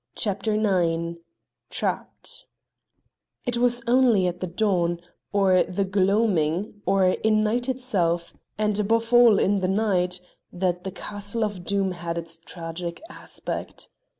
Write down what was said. CHAPTER IX TRAPPED It was only at the dawn, or the gloaming, or in night itself and above all in the night that the castle of Doom had its tragic aspect.